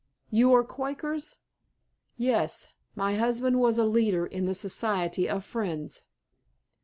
"You are Quakers?" "Yes. My husband was a leader in the Society of Friends."